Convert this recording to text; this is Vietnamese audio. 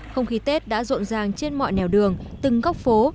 không khí tết đã rộn ràng trên mọi nẻo đường từng góc phố